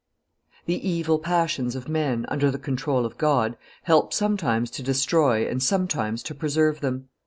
The evil passions of men, under the control of God, help sometimes to destroy and sometimes to preserve them.